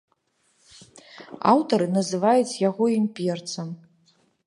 Аўтары называюць яго імперцам.